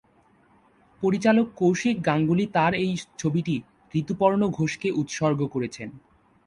পরিচালক কৌশিক গাঙ্গুলি তার এই ছবিটি ঋতুপর্ণ ঘোষকে উৎসর্গ করেছেন।